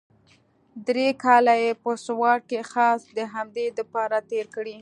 درې کاله يې په سوات کښې خاص د همدې دپاره تېر کړي.